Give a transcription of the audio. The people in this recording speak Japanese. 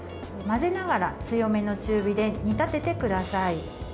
混ぜながら、強めの中火で煮立ててください。